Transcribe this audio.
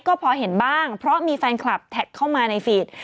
ก็พอเห็นบ้างเพราะมีแฟนคลับแท็กเข้ามาในเฟส